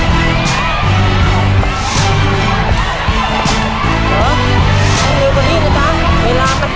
เดี๋ยวเร็วเร็วเร็วตอนนี้นะครับ